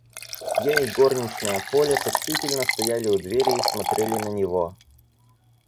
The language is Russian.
Я и горничная Поля почтительно стояли у двери и смотрели на него.